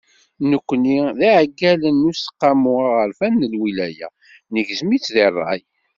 Nekkni s yiɛeggalen n Useqqamu Aɣerfan n Lwilaya, negzem-itt di ṛṛay.